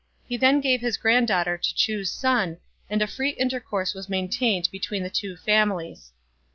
He then gave his grand daughter to Chu's son, and a free intercourse was main tained between the two families.